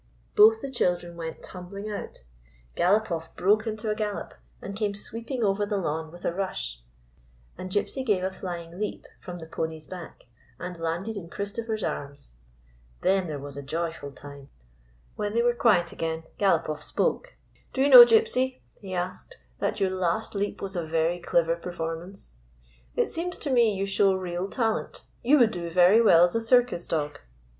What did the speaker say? Both the children went tumbling out; Galop off broke into a gallop, and came sweeping over the lawn with a rush, and Gypsy gave a flying leap from the pony's back and landed in Chris topher^ arms. Then there was a joyful time. When they were quiet again Galopoff spoke: "Do you know, Gypsy," he asked, "that your last leap was a very clever performance ? 225 GYPSY, THE TALKING DOG It seems to me you show real talent. You would do very well as a circus dog."